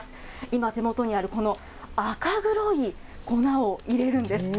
今、手元にあるこの赤黒い粉を入れるんです。